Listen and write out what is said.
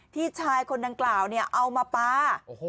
ที่ชายคนดังกล่าวเอามาปลา